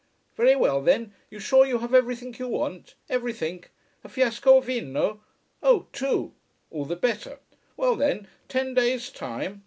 "Very well then! You're sure you have everything you want? Everything? A fiasco of vino? Oh two! All the better! Well then ten days' time.